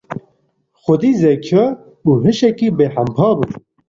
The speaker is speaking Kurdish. Xwedî zeka û hişekî bêhempa bû.